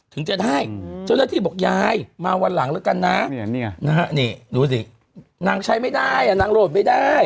ถึงจะได้เจ้าหน้าที่บอกยายมาวันหลังแล้วกันนะนี่ดูสินางใช้ไม่ได้นางโหลดไม่ได้